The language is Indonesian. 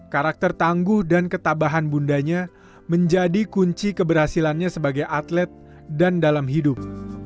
karakter tangguh dan ketabahan bundanya menjadi kunci keberhasilannya sebagai atlet dan dalam hidup